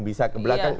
bisa ke belakang